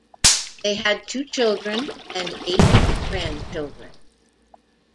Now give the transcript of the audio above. They had two children and eight grandchildren.